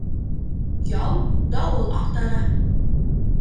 Яу дауыл аҡтара